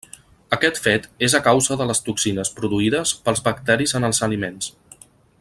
Aquest fet és a causa de les toxines produïdes pels bacteris en els aliments.